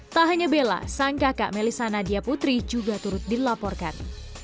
tak hanya bella sang kakak melissa nadia putri juga turut dilaporkan